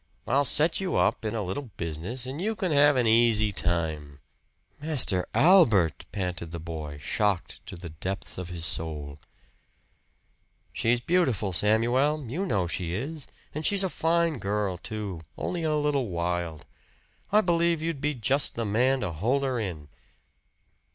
"I'll set you up in a little business, and you can have an easy time." "Master Albert!" panted the boy shocked to the depths of his soul. "She's beautiful, Samuel you know she is. And she's a fine girl, too only a little wild. I believe you'd be just the man to hold her in."